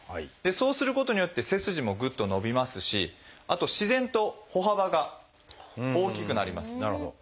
そうすることによって背筋もぐっと伸びますしあと自然と歩幅が大きくなります。